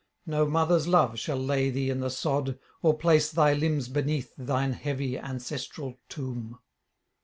no mother's love shall lay thee in the sod, or place thy limbs beneath thine heavy ancestral tomb.